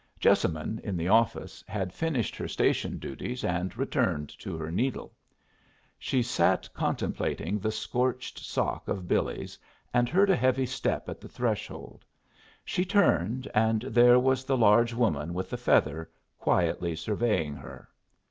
Jessamine, in the office, had finished her station duties and returned to her needle. She sat contemplating the scorched sock of Billy's, and heard a heavy step at the threshold. She turned, and there was the large woman with the feather quietly surveying her.